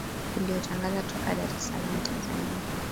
inayotangaza toka dar es salaam tanzania